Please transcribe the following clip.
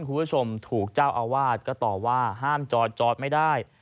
คุณผู้ชมถูกเจ้าอาวาสก็ตอบว่าห้ามจอดจอดไม่ได้